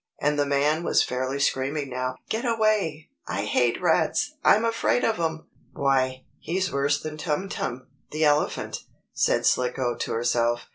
and the man was fairly screaming now. "Get away! I hate rats! I'm afraid of 'em!" "Why, he's worse than Tum Tum, the elephant," said Slicko to herself.